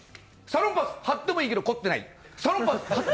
サロンパス、貼ってもいいけど、凝ってない。